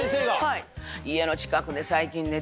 はい。